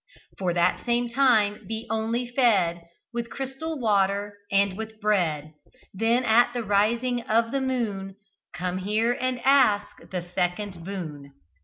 For that same time be only fed With crystal water and with bread, Then, at the rising of the moon, Come here and ask the second boon!"